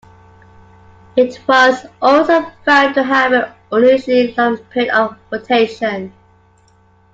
It was also found to have an unusually long period of rotation.